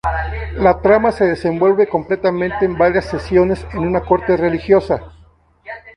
La trama se desenvuelve completamente en varias sesiones en una corte religiosa.